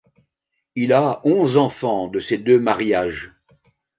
Il a onze enfants de ses deux mariages.